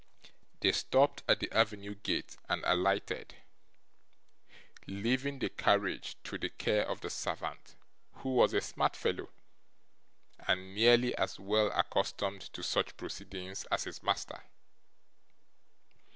They stopped at the avenue gate and alighted, leaving the carriage to the care of the servant, who was a smart fellow, and nearly as well accustomed to such proceedings as his master.